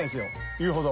言うほど。